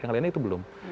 yang lainnya itu belum